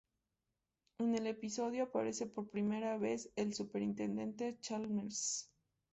En el episodio aparece por primera vez el Superintendente Chalmers.